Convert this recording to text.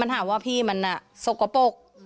มันหมาว่าพี่มันอ่ะสกปก